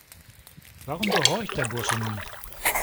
Warum gehorcht der Bursche nie?